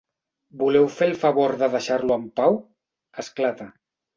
Voleu fer el favor de deixar-lo en pau? —esclata.